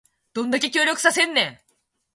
どんだけ協力させんねん